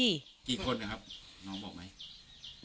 กี่คนนะครับน้องบอกไหม